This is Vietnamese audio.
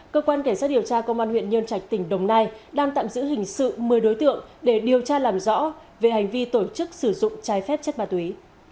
cơ quan cảnh sát điều tra công an huyện nhân trạch tỉnh đồng nai đang tạm giữ hình sự một mươi đối tượng để điều tra làm rõ về hành vi tổ chức sử dụng trái phép chất ma túy